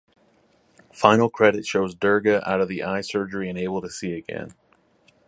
Final credit shows Durga out of the eye surgery and able to see again.